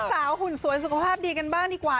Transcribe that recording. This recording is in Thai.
หุ่นสวยสุขภาพดีกันบ้างดีกว่า